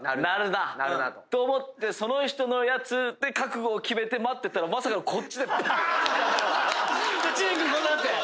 鳴るなと思ってその人のやつで覚悟を決めて待ってたらまさかのこっちでパーン！